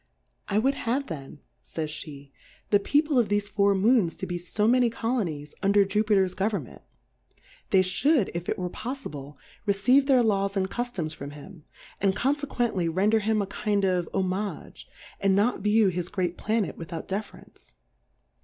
I would have then, firjs /7;^, the People of thefe Four Moons to be fo many Colonies under Juyitev^s Government ; they fhould, if It were poifible, receive their Laws and Cultoms from him ; and confe quently render him a kind of Homage, and not view his great Planet without Deference.